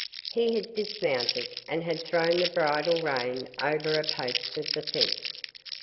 He had dismounted, and had thrown the bridle rein over a post of the fence.